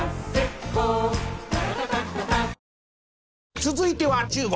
続いては中国。